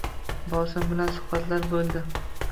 bosim bilan suhbatlar bo‘ldi.